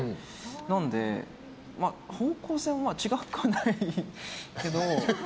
なので、方向性は違くはないけど。